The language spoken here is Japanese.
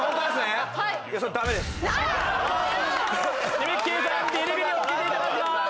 ゆみっきーさん、ビリビリを受けていただきます。